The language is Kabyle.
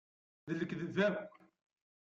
D lekdeb akk.